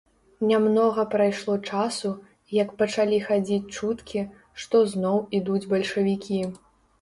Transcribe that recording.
Нямнога прайшло часу, як пачалі хадзіць чуткі, што зноў ідуць бальшавікі.